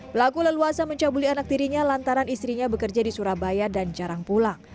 pelaku leluasa mencabuli anak tirinya lantaran istrinya bekerja di surabaya dan jarang pulang